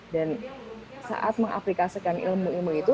dan saat mengaplikasikan ilmu ilmu itu